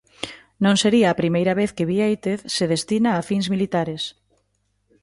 Non sería a primeira vez que Biéitez se destina a fins militares.